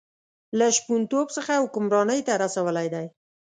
له شپونتوب څخه حکمرانۍ ته رسولی دی.